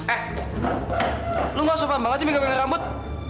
eh lo gak sopan banget sih menggabungkan rambut